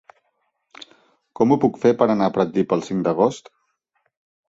Com ho puc fer per anar a Pratdip el cinc d'agost?